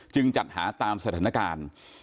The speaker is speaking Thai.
จัดหาตามสถานการณ์